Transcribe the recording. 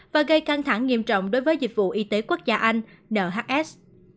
và gây căng thẳng nghiêm trọng đối với dịch vụ y tế quốc gia anh nhs